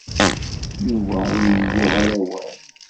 Yuba ur iyi-yuɣ ara awal.